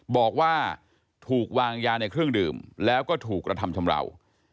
บอกว่าถูกวางยาในเครื่องดื่มแล้วก็ถูกกระทำชำราว